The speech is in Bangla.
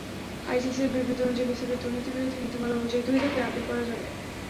আইসিসির বিবৃতি অনুযায়ী, বিসিবির দুর্নীতিবিরোধী নীতিমালা অনুযায়ী দুই ধাপে আপিল করা যাবে।